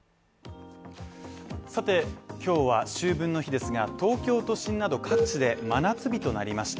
さて、今日は秋分の日ですが、東京都心など各地で真夏日となりました。